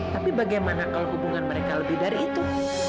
tapi bagaimana kalau hubungan mereka lebih dari itu